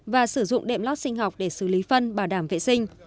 và sử dụng đệm lót sinh học để xử lý phân bảo đảm vệ sinh